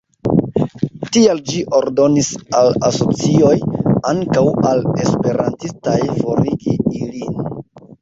Tial ĝi ordonis al asocioj, ankaŭ al esperantistaj, forigi ilin.